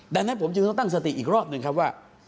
ดังนั้นผมจึงต้องตั้งสติอีกรอบหนึ่งครับว่า